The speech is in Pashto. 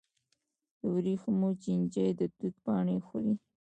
د ورېښمو چینجي د توت پاڼې خوري.